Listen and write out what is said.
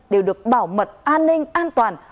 đều được bảo mật an ninh an toàn